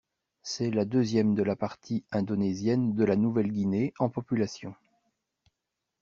C'est la deuxième de la partie indonésienne de la Nouvelle-Guinée en population.